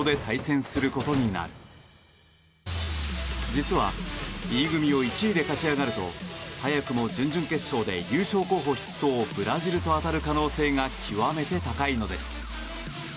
実は、Ｅ組を１位で勝ち上がると早くも、準々決勝で優勝候補筆頭ブラジルと当たる可能性が極めて高いのです。